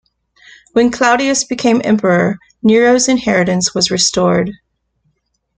When Claudius became Emperor, Nero's inheritance was restored.